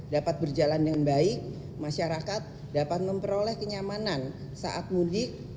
dapat berjalan dengan baik masyarakat dapat memperoleh kenyamanan saat mudik